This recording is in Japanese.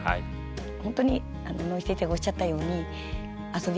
ほんとに野井先生がおっしゃったように遊び。